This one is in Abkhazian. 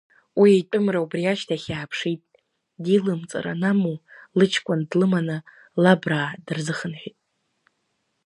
Уи итәымра убри ашьҭахь иааԥшит, дилымҵыр анаму, лыҷкәын длыманы, лабраа дрызыхынҳәит.